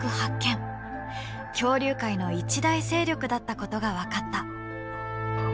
恐竜界の一大勢力だったことが分かった。